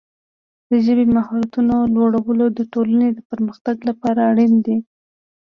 د ژبې د مهارتونو لوړول د ټولنې د پرمختګ لپاره اړین دي.